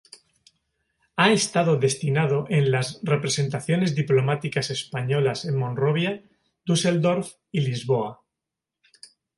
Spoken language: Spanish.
Ha estado destinado en las representaciones diplomáticas españolas en Monrovia, Düsseldorf y Lisboa.